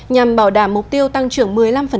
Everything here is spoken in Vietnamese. nhằm bảo đảm mục tiêu tăng trưởng một mươi năm